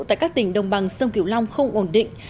tại các tỉnh đồng bằng sông kiểu long không ổn định